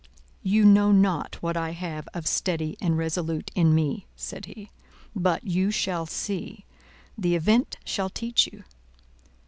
"You know not what I have of steady and resolute in me," said he, "but you shall see; the event shall teach you.